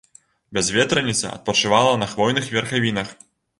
Бязветраніца адпачывала на хвойных верхавінах.